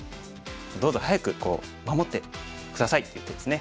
どうぞ早く守って下さいっていう手ですね。